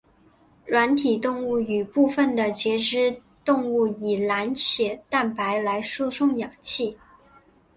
软体动物与部分的节肢动物以血蓝蛋白来输送氧气。